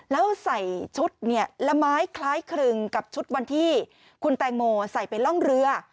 แล้วใส่ชุดเนี่ยละไม้คล้ายครึงกับชุดวันที่คุณแตงโมใส่ไปร่องเรือ